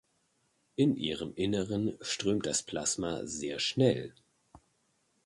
In ihrem Inneren strömt das Plasma sehr schnell.